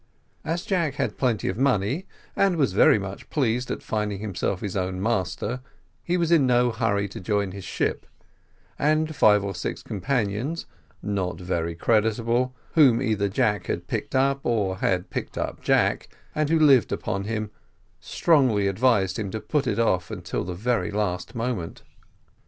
As Jack had plenty of money, and was very much pleased at finding himself his own master, he was in no hurry to join his ship, and five or six companions not very creditable, whom either Jack had picked up, or had picked up Jack, and who lived upon him, strongly advised him to put it off until the very last moment.